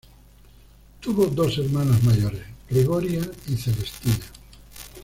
Tuvo dos hermanas mayores: Gregoria y Celestina.